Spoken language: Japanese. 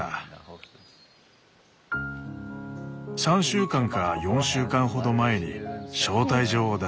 ３週間か４週間ほど前に招待状を出します。